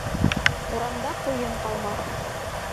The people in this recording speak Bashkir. Ҡураңда ҡуйың ҡалмаҫ.